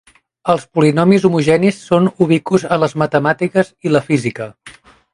Els polinomis homogenis són ubicus en les matemàtiques i la física.